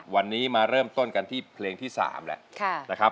วันนี้มาเริ่มต้นกันที่เพลงที่๓แหละ